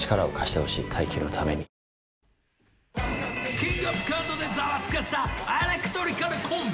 キングオブコントでざわつかせたエレクトリカルコンビ。